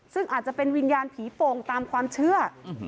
ซึ่งอาจจะเป็นวิญญาณผีโป่งตามความเชื่อ